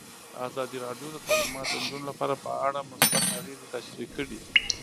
ازادي راډیو د تعلیمات د نجونو لپاره په اړه مثبت اغېزې تشریح کړي.